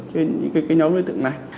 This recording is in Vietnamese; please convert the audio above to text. trên những cái nhóm đối tượng này